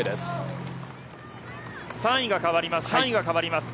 ３位が変わります。